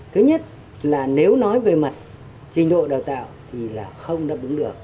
thứ nhất là nếu nói về mặt trình độ đào tạo thì là không đáp ứng được